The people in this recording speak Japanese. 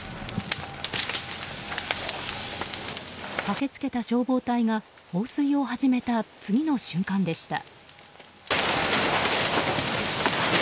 駆け付けた消防隊が放水を始めた次の瞬間でした。